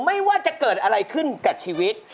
ไม่ว่าจะเกิดอะไรขึ้นกับชีวิต